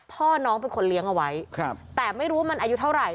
พ่อน้องเป็นคนเลี้ยงเอาไว้แต่ไม่รู้ว่ามันอายุเท่าไหร